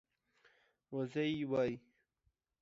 وزۍ وايي